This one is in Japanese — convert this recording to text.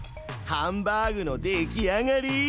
ハンバーグのできあがり！